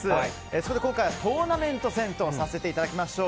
そこで今回はトーナメント戦とさせていただきましょう。